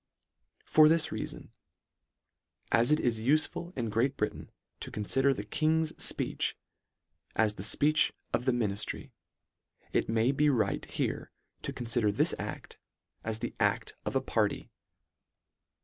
For this reafon, as it is ufual in Great Britain, to coniider the King's fpeech, as the fpeech of the miniftry, it may be right here to coniider this acl: as the acl: of a party.